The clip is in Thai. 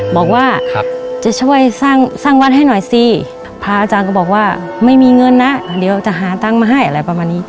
บอกว่าจะช่วยสร้างวัดให้หน่อยสิพระอาจารย์ก็บอกว่าไม่มีเงินนะเดี๋ยวจะหาตังค์มาให้อะไรประมาณนี้